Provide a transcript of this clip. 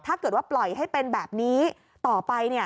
ถ้าเกิดว่าปล่อยให้เป็นแบบนี้ต่อไป